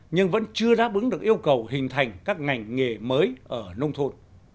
nhưng vẫn chưa đáp ứng được yêu cầu hình thành các ngành nghề mới ở nông thôn